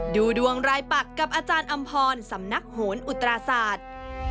ดูดวงรายปักกับอาจารย์อำพรสำนักโหนอุตราศาสตร์